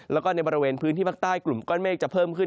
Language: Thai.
แล้วก็ในบริเวณพื้นที่ภาคใต้กลุ่มก้อนเมฆจะเพิ่มขึ้น